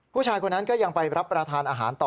ผู้ชายคนนั้นก็ยังไปรับประทานอาหารต่อ